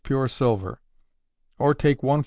pure silver. Or take ¼ oz.